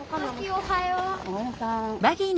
おはよう。